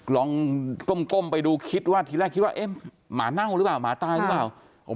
ลองก้มไปดูคิดว่าทีแรกคิดว่าเอ๊ะหมาเน่าหรือเปล่าหมาตายหรือเปล่า